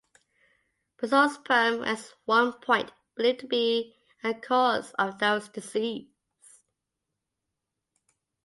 Psorosperm was at one point believed to be the cause of Darier's disease.